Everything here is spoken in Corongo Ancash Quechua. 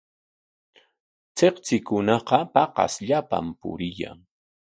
Tsiktsikunaqa paqasllapam puriyan.